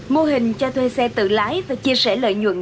mô hình cho thuê xe tự lái và chia sẻ lợi nhuận